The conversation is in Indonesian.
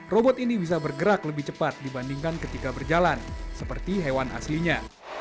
robot ini bisa bergerak lebih cepat dibandingkan ketika berjalan seperti hewan aslinya